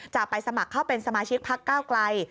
จะไปสมัครเข้าเป็นสมาชิกพักก้าวไกล